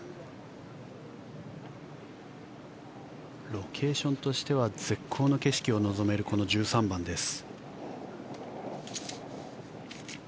ロケーションとしては絶好の景色を望めるこの１３番です。